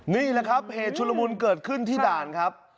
นี่แหละครับเหตุชุลมุนเกิดขึ้นที่ด่านครับ